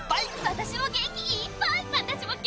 私も元気いっぱい！